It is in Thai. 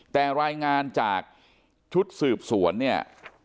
แต่รายงานจากชุดสืบสวนเนี่ย